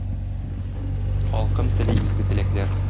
Халкым тели изге теләкләр!